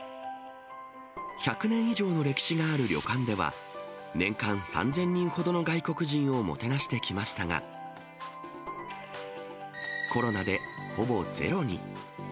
１００年以上の歴史がある旅館では、年間３０００人ほどの旅行客をもてなしてきましたが、コロナでほぼゼロに。